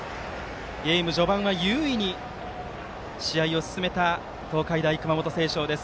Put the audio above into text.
ゲーム序盤は優位に試合を進めた東海大熊本星翔です。